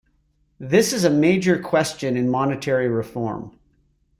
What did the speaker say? This is a major question in monetary reform.